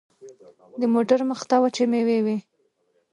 د موټر مخته وچې مېوې وې.